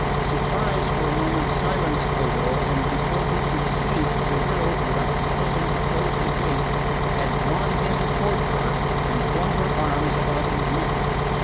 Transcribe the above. Surprise for a moment silenced Odo, and before he could speak the girl, without pausing to close the gate, had drawn him toward her and flung her arms about his neck.